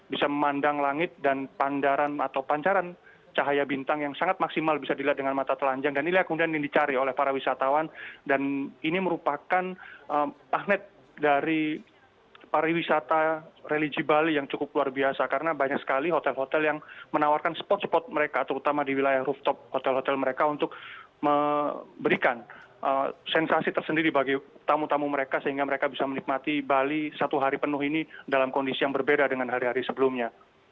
bisa memandang langit dan pandaran atau pancaran cahaya bintang yang sangat maksimal bisa dilihat dengan mata telanjang dan ini kemudian yang dicari oleh para wisatawan dan ini merupakan ahnet dari para wisata religi bali yang cukup luar biasa karena banyak sekali hotel hotel yang menawarkan spot spot mereka terutama di wilayah rooftop hotel hotel mereka untuk memberikan sensasi tersendiri bagi tamu tamu mereka sehingga mereka bisa menikmati bali satu hari penuh ini dalam kondisi yang berbeda dengan hari hari sebelumnya